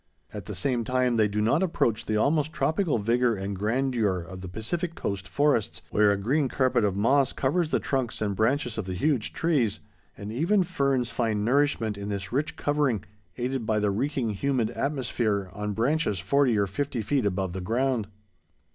At the same time they do not approach the almost tropical vigor and grandeur of the Pacific Coast forests, where a green carpet of moss covers the trunks and branches of the huge trees, and even ferns find nourishment in this rich covering, aided by the reeking, humid atmosphere, on branches forty or fifty feet above the ground.